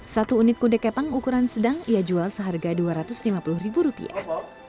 satu unit kude kepang ukuran sedang ia jual seharga dua ratus lima puluh ribu rupiah